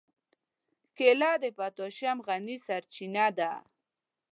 کېله د پوتاشیم غني سرچینه ده.